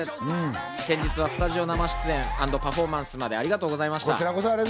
先日はスタジオ生出演＆パフォーマンスまで、ありがとうございました。